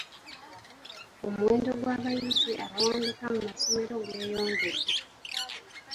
Omuwendo gw'abayizi abawanduka mu masomero gweyongedde.